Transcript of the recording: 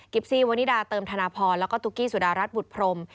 ซี่วนิดาเติมธนพรแล้วก็ตุ๊กกี้สุดารัฐบุตรพรม